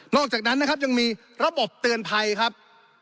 อกจากนั้นนะครับยังมีระบบเตือนภัยครับ